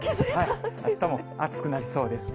あしたも暑くなりそうです。